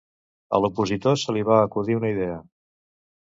A l'opositor se li va acudir una idea